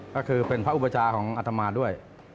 ก็คือเป็นพระอุปจาของอัตมาด้วย